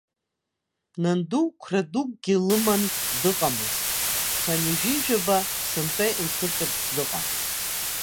Нанду қәра дукгьы лыман дыҟамызт, хынҩажәижәаба сынтәа илхыҵырц дыҟан.